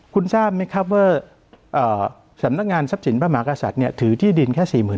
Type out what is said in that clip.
คุณทราบไหมครับว่าสำนักงานทรัพย์สินพระมหากษัตริย์ถือที่ดินแค่๔๐๐